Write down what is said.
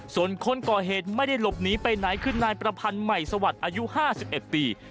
ส่วนคนก่อเหตุไม่ได้หลบหนีไปไหนคือนายประพันธ์ใหม่สวัสดิ์อายุ๕๑ปี